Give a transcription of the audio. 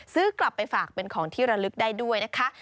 ซื้อกลับไปฝากเป็นของที่ระลึกได้ด้วยนะคะ